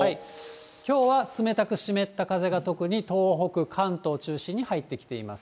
きょうは冷たく湿った風が特に東北、関東中心に入ってきています。